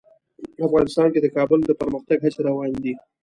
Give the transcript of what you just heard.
افغانستان کې د کابل د پرمختګ هڅې روانې دي.